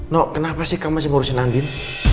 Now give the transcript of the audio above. nob kenapa sih kamu masih ngurusin andin